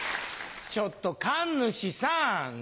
ちょっと神主さんね？